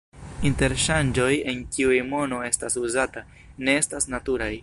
Interŝanĝoj, en kiuj mono estas uzata, ne estas naturaj.